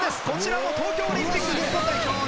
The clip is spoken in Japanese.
こちらも東京オリンピック日本代表